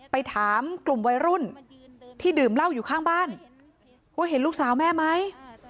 ไปถามกลุ่มวัยรุ่นที่ดื่มเหล้าอยู่ข้างบ้านว่าเห็นลูกสาวแม่ไหม